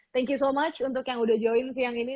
thank you so much untuk yang udah join siang ini